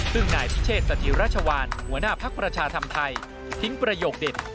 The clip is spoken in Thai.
ซึ่งนายพิเชษสถิราชวานหัวหน้าภักดิ์ประชาธรรมไทยทิ้งประโยคเด็ด